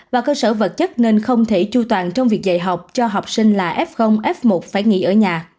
và cơ sở vật chất nên không thể chu toàn trong việc dạy học cho học sinh là f f một phải nghỉ ở nhà